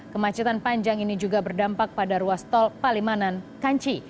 kemacetan panjang ini juga berdampak pada ruas tol palimanan kanci